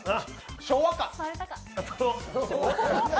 昭和か！